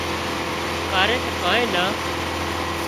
ڪاريڪ ڪانئين نا